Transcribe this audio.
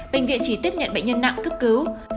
bệnh viện chỉ tiếp nhận bệnh nhân nặng cấp cứu